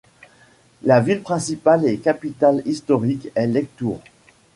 La ville principale et capitale historique est Lectoure.